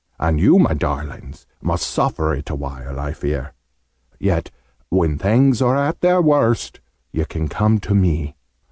And you, my darlings, must suffer it awhile, I fear. Yet, when things are at their worst, you can come to me.